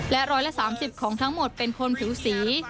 ๑๓๐ของทั้งหมดเป็นคนผิวสี